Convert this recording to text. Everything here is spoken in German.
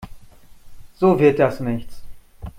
So wird das nichts.